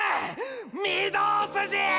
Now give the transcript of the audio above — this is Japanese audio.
御堂筋ィ！！